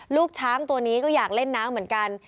ลูกช้างตัวนี้ก็อยากเล่นน้ำเหมือนกัน